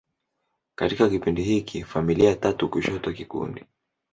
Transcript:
Katika kipindi hiki, familia tatu kushoto kikundi.